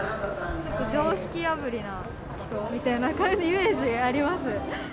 ちょっと常識破りな人みたいなイメージあります。